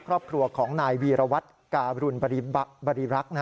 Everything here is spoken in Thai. ครอบครัวของนายวีรวัตรการุณบริรักษ์